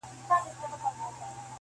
رنګ په وینو سره چاړه یې هم تر ملا وه-